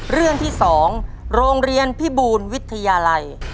เรื่องที่๒โรงเรียนพิบูลวิทยาลัย